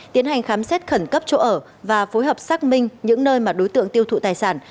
tiến hành khám xét khẩn cấp chỗ ở và phối hợp xác minh những nơi mà đối tượng tiêu thụ tài sản